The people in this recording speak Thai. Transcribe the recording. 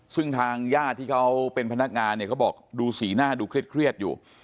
ซึ่งทางญาติที่เขาเป็นพนักงานเนี่ยเขาบอกดูสีหน้าดูเครียดอยู่